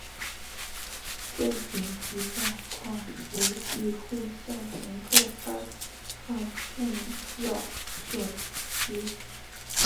在紧急状况时亦会向乘客发放重要讯息。